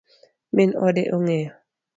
Min ode ong'eyo?